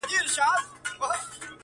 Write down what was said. اچيل یې ژاړي، مړ یې پېزوان دی،